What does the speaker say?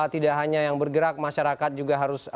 tidak hanya yang bergerak masyarakat juga harus tetap disiplin begitu